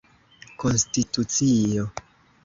konstitucio